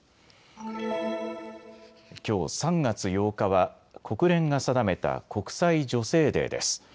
きょう、３月８日は国連が定めた国際女性デーです。